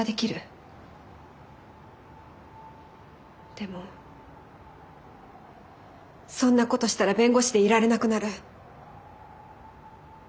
でもそんなことしたら弁護士でいられなくなる。